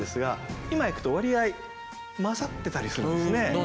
今行くと割合交ざってたりするんですね。